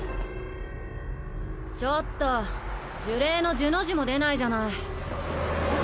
ちょっと呪霊の呪の字も出ないじゃない。